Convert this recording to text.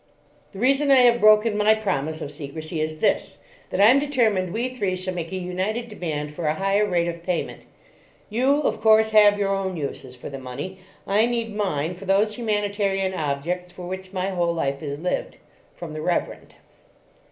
"The reason I have broken my promise of secrecy is this: that I'm determined we three shall make a united demand for a higher rate of payment. You, of course, have your own uses for the money, I need mine for those humanitarian objects for which my whole life is lived," from the Reverend.